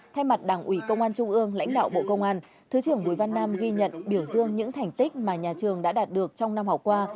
thay mặt đảng ủy công an trung ương lãnh đạo bộ công an thứ trưởng bùi văn nam ghi nhận biểu dương những thành tích mà nhà trường đã đạt được trong năm học qua